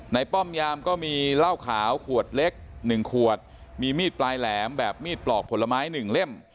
ป้อมยามก็มีเหล้าขาวขวดเล็ก๑ขวดมีมีดปลายแหลมแบบมีดปลอกผลไม้๑เล่ม